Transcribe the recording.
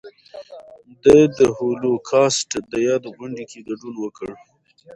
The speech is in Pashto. ده د هولوکاسټ د یاد غونډې کې ګډون وکړ.